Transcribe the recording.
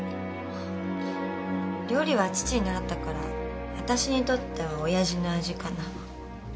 料理は父に習ったから私にとってはおやじの味かな。